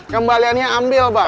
kembaliannya ambil bang